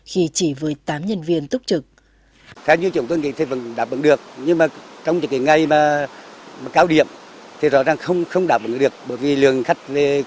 khi chỉ với tám nhân viên túc trực